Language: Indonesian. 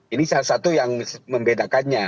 ini salah satu yang membedakannya